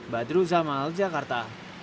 badru zamal jakarta